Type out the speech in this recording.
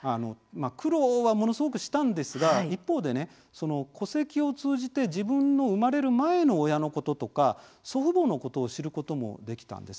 苦労はものすごくしたんですが一方で、戸籍を通じて自分の生まれる前の親のこととか祖父母のことを知ることもできたんです。